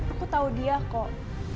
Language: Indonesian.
aku tau dia kok